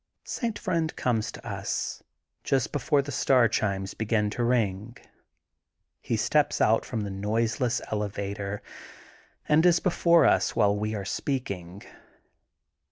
''' St. Friend comes to us, just before the star chimes begin to ring. He steps out from the noiseless elevator and is before us while we are speaking.